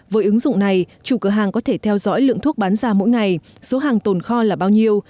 với ứng dụng này chủ cửa hàng có thể theo dõi lượng thuốc bán ra mỗi ngày số hàng tồn kho là bao nhiêu